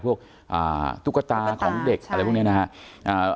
พวกอ่าตูกระตาของเด็กอะไรพวกเนี้ยนะฮะอ่า